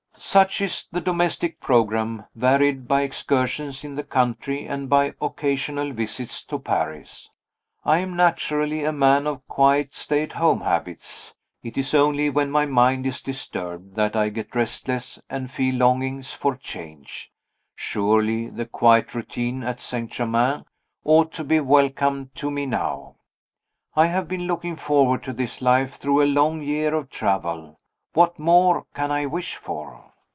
Such is the domestic programme, varied by excursions in the country and by occasional visits to Paris. I am naturally a man of quiet stay at home habits. It is only when my mind is disturbed that I get restless and feel longings for change. Surely the quiet routine at St. Germain ought to be welcome to me now? I have been looking forward to this life through a long year of travel. What more can I wish for?